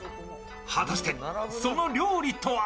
果たして、その料理とは。